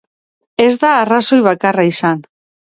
Ez da arrazoi bakarra izan.